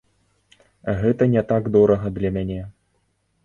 Гэта не так дорага для мяне.